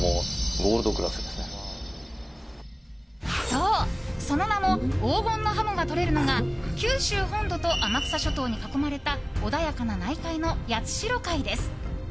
そう、その名も黄金のハモがとれるのが九州本土と天草諸島に囲まれた穏やかな内海の八代海です。